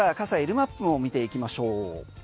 マップを見ていきましょう。